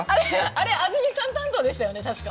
あれ、安住さん担当でしたよね、確か。